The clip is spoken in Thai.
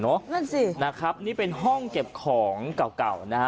นั่นสินะครับนี่เป็นห้องเก็บของเก่าเก่านะฮะ